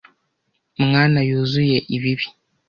mwana yuzuye ibibi.